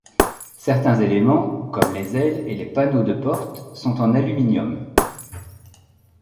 Certains éléments, comme les ailes et les panneaux de portes, sont en aluminium.